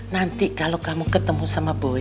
nanti kalau kamu ketemu sama boy